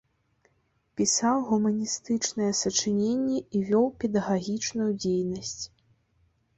Пісаў гуманістычныя сачыненні і вёў педагагічную дзейнасць.